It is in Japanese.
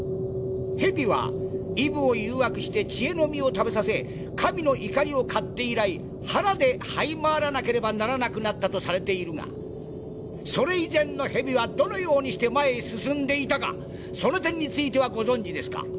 ヘビはイブを誘惑して知恵の実を食べさせ神の怒りを買って以来腹ではい回らなければならなくなったとされているがそれ以前のヘビはどのようにして前へ進んでいたかその点についてはご存じですか？